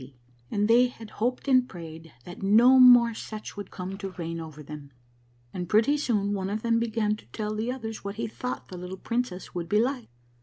74 A MARVELLOUS UNDERGROUND JOURNEY and they had hoped and prayed that no more such would come to reign over them. And pretty soon one of them began to tell the others what he thought the little princess would be like.